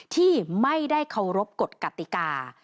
ที่ไม่ได้เคารพกฎกติกา